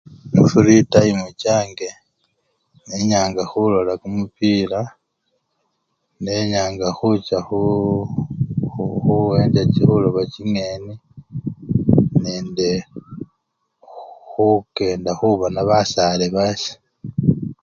mufurii time change, nenyanga hulola kumupira, nenyanga hucha huloba chingeni nende hu hu hukenda hubona basale base